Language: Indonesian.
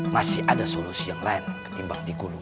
masih ada solusi yang lain ketimbang digulung